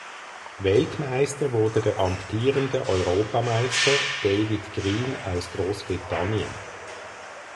Weltmeister wurde der amtierende Europameister David Greene aus Großbritannien.